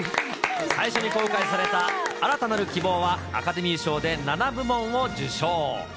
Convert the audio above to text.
最初に公開された新たなる希望はアカデミー賞で７部門を受賞。